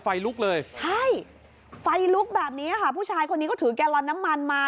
ไฟลุกเลยใช่ไฟลุกแบบนี้ค่ะผู้ชายคนนี้ก็ถือแกลลอนน้ำมันมา